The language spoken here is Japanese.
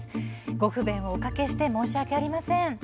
ご不便おかけして申し訳ありません。